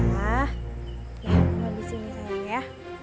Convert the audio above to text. ya mama di sini sayang ya